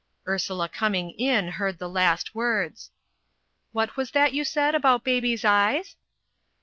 Ursula coming in, heard the last words. "What was that you said about baby's eyes?"